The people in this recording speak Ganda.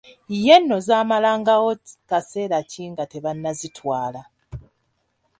Ye nno zaamalangawo kaseera ki nga tebanazitwala!